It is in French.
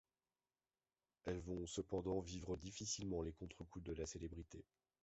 Elles vont cependant vivre difficilement les contrecoups de la célébrité.